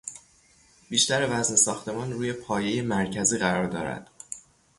بیشتر وزن ساختمان روی پایهی مرکزی قرار دارد.